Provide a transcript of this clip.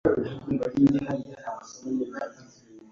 Aha turakwereka ingingo eshatu ukwiye kwitaho